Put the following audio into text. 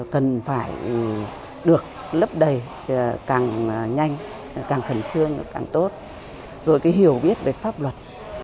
cần phải được lấp đầy càng nhanh càng khẩn trương càng tốt rồi cái hiểu biết về pháp luật